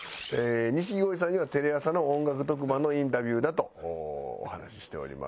錦鯉さんにはテレ朝の音楽特番のインタビューだとお話ししております。